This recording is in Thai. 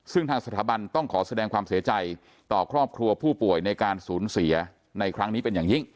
ซึ่งทางสถาบันต้องขอแสดงความเสียใจต่อครอบครัวผู้ป่วยในการสูญเสียในครั้งนี้เป็นอย่างยิ่ง